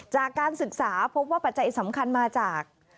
จากการศึกษาพบว่าปัจจัยสำคัญมาจาก